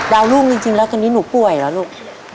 ดาวรุ่งจริงแล้วตอนนี้หนูป่วยเหรอลูก